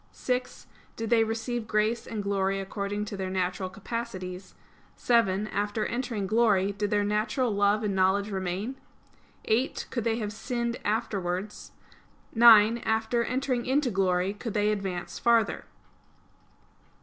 (6) Did they receive grace and glory according to their natural capacities? (7) After entering glory, did their natural love and knowledge remain? (8) Could they have sinned afterwards? (9) After entering into glory, could they advance farther?